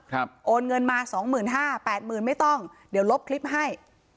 โอนเงินมาสองหมื่นห้าแปดหมื่นไม่ต้องเดี๋ยวลบคลิปให้